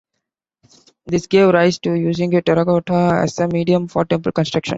This gave rise to using terracotta as a medium for temple construction.